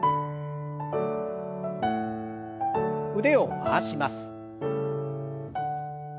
腕を回します。